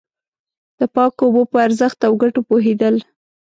د پاکو اوبو په ارزښت او گټو پوهېدل.